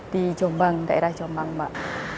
di jombang daerah jombang mbak